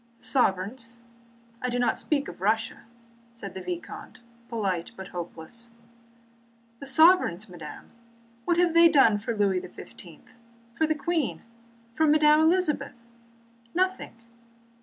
"The sovereigns? I do not speak of Russia," said the vicomte, polite but hopeless: "The sovereigns, madame... What have they done for Louis XVII, for the Queen, or for Madame Elizabeth? Nothing!"